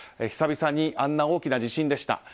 久々にあんな大きな地震でした。